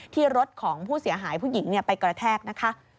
ที่รถของผู้เสียหายผู้หญิงไปกระแทกนะคะ